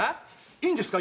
いいんですか？